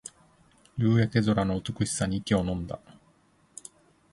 夕焼け空の美しさに息をのんだ